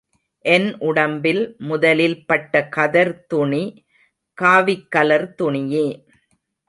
என் உடம்பில் முதலில் பட்ட கதர் துணி காவிக்கலர் துணியே.